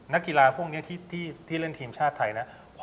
นักกีฬาพวกนี้ที่เล่นทีมชาติไทยนะ